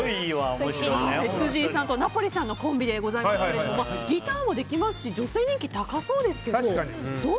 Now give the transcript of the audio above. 辻井さんとナポリさんのコンビでございますがギターもできますし女性人気が高そうですが。